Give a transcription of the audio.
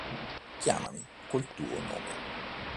Chiamami col tuo nome